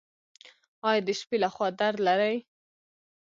ایا د شپې لخوا درد لرئ؟